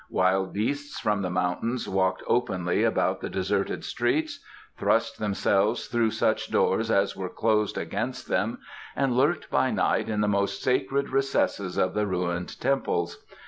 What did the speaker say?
Wild beasts from the mountains walked openly about the deserted streets, thrust themselves through such doors as were closed against them and lurked by night in the most sacred recesses of the ruined temples.